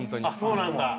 そうなんだ。